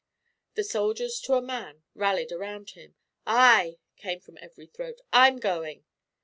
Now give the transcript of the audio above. The soldiers, to a man, rallied around him. "I!" came from every throat. "I'm going!"